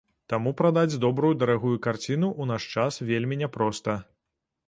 Таму прадаць добрую дарагую карціну ў наш час вельмі няпроста.